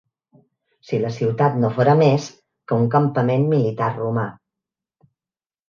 Si la ciutat no fora més que un campament militar romà.